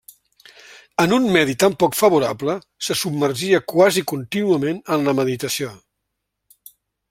En un medi tan poc favorable, se submergia quasi contínuament en la meditació.